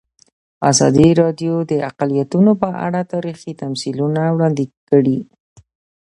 ازادي راډیو د اقلیتونه په اړه تاریخي تمثیلونه وړاندې کړي.